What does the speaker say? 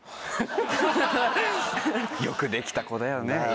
よくできた子だよね。